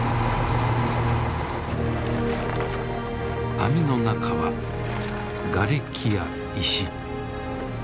網の中はがれきや石。